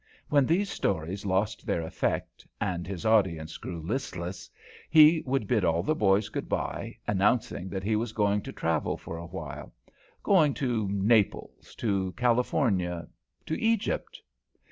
When these stories lost their effect, and his audience grew listless, he would bid all the boys good bye, announcing that he was going to travel for awhile; going to Naples, to California, to Egypt.